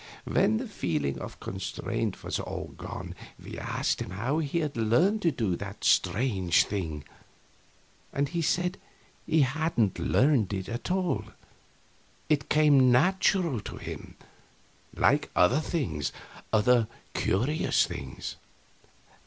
When the feeling of constraint was all gone we asked him how he had learned to do that strange thing, and he said he hadn't learned it at all; it came natural to him like other things other curious things.